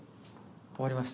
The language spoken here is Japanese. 終わりました。